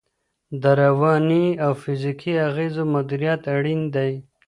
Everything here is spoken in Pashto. د رواني او فزیکي اغېزو مدیریت اړین دی.